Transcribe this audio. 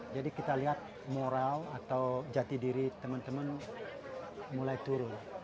jadi kita lihat moral atau jati diri temen temen mulai turun